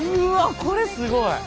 これすごい！